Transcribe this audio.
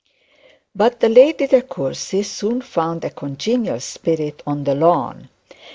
But the Lady De Courcy soon found a congenial spirit on the lawn.